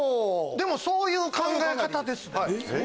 でもそういう考え方ですね。